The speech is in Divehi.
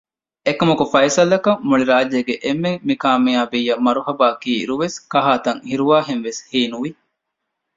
އެކަމަކު ފައިސަލްއަކަށް މުޅިރާއްޖޭ އެންމެން މިކާމިޔާބީއަށް މަރުހަބާ ކީއިރުވެސް ކަހާތަން ހިރުވާހެންވެސް ހީނުވި